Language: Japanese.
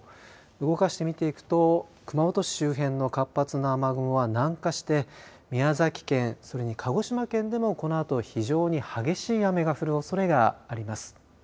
動かして見ていくと熊本市周辺の活発な雨雲は南下して宮崎県、それに鹿児島県でもこのあと非常に激しい雨が降るおそれがあります。